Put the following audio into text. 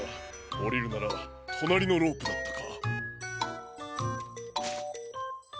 おりるならとなりのロープだったか。